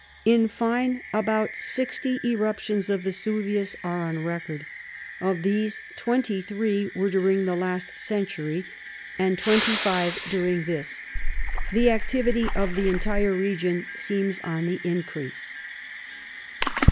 In fine, about sixty eruptions of Vesuvius are on record. Of these, twenty three were during the last century, and twenty five during this. The activity of the entire region seems on the increase.